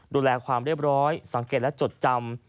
ดูแลความเรียบร้อยสังเกตและจดจำ